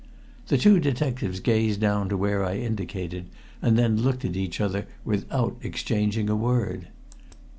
The two detectives gazed down to where I indicated, and then looked at each other without exchanging a word.